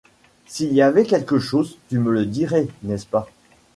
S'il y avait quelque chose… tu me le dirais, n'est-ce pas ?